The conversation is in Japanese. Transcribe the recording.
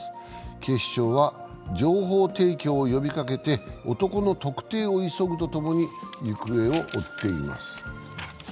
警視庁は情報提供を呼びかけて男の特定を急ぐとともに行方を追っています。